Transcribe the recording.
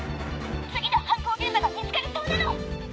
次の犯行現場が見つかりそうなの！